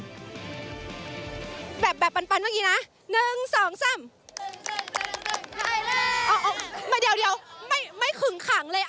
เดี๋ยวไม่ขึงขังเลย